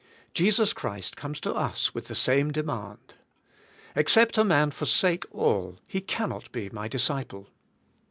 Jesus Christ comes to us with the same demand — "Except a man forsake all he cannot be My dis ciple."